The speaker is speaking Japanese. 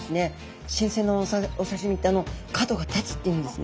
新鮮なお刺身ってあの角が立つっていうんですね。